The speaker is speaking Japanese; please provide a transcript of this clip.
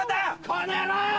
この野郎！